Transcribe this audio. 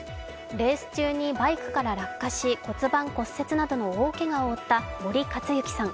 レース中にバイクから落下し、骨盤骨折などの大けがを負けった森且行さん。